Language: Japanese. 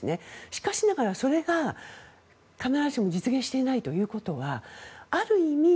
しかしながら、それが必ずしも実現していないということはある意味